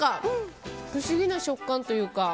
不思議な食感というか。